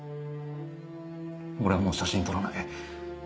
俺はもう写真は撮らない。